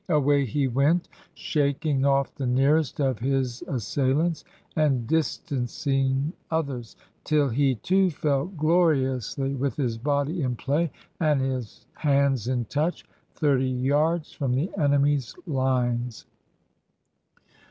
Away he went, shaking off the nearest of his assailants and distancing others, till he too fell gloriously, with his body in play, and his hands in touch, thirty yards from the enemy's lines.